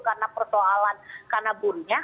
karena persoalan karena buruhnya